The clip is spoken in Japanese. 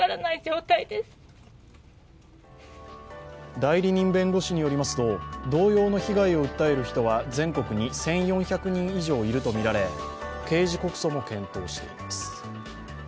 代理人弁護士によりますと同様の被害を訴える人は全国に１４００人以上いるとみられ刑事告訴も検討しています。